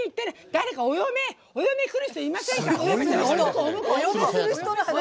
誰かお嫁来る人いませんか？